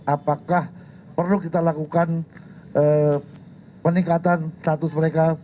apakah perlu kita lakukan peningkatan status mereka